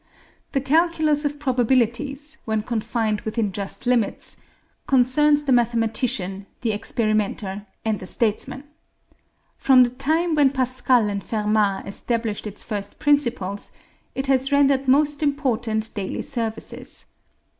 The calculus of probabilities, when confined within just limits, concerns the mathematician, the experimenter, and the statesman. From the time when Pascal and Fermat established its first principles, it has rendered most important daily services.